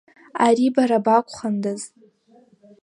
Ари бара бакәхандаз!